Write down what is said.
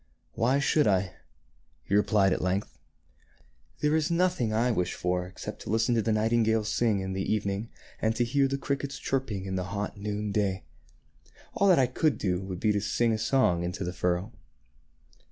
" Why should I ?" he replied at length. " There is noth ing I wish for except to listen to the nightingales singing in the evening and to hear the crickets chirping in the hot noon day. All that I could do would be to sing a song into the furrow."